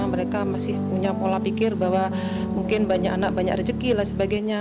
mereka masih punya pola pikir bahwa mungkin banyak anak banyak rezeki dan sebagainya